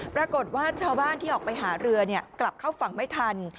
ปรากฏว่าชาวบ้านที่ออกไปหาเรือกลับเข้าฝั่งไม่ทัน